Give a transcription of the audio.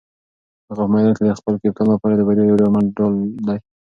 هغه په میدان کې د خپل کپتان لپاره د بریا یو ډاډمن ډال دی.